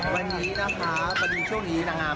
แบบนี้เทอมเฉลี่ยมของลูกจริง